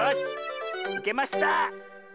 いけました！